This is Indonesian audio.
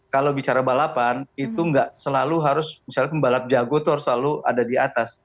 kalau bicara balapan itu nggak selalu harus misalnya pembalap jago itu harus selalu ada di atas